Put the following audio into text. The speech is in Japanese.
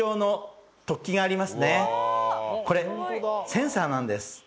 これセンサーなんです。